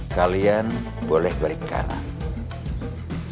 kalian boleh balik ke kanan